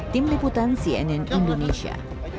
tim liputan cnn indonesia